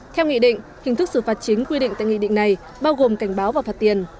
theo nghị định hình thức xử phạt chính quy định tại nghị định này bao gồm cảnh báo và phạt tiền